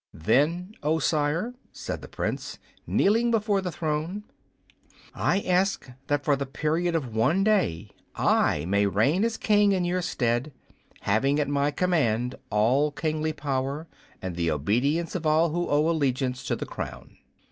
"Then, oh sire," said the Prince, kneeling before the throne, "I ask that for the period of one day I may reign as King in your stead, having at my command all kingly power and the obedience of all who owe allegiance to the crown!"